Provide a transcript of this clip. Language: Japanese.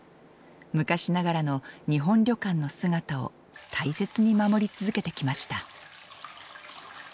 昔ながらの日本旅館の姿を大切に守り続けてきました。